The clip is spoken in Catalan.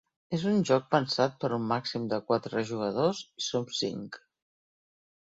És un joc pensat per a un màxim de quatre jugadors i som cinc.